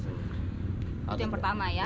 itu yang pertama ya